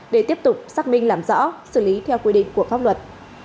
để tiếp tục xác minh làm rõ xử lý theo quy định của pháp luật